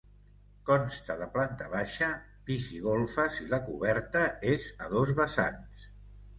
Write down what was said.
Consta de planta baixa, pis i golfes i la coberta és a dos vessants.